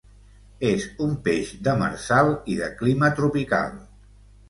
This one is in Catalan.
És un peix demersal i de clima tropical.